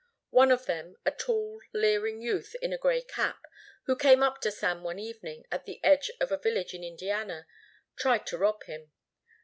One of them, a tall, leering youth in a grey cap, who came up to Sam one evening at the edge of a village in Indiana, tried to rob him.